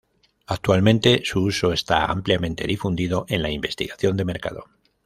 Actualmente su uso está ampliamente difundido en la investigación de mercado.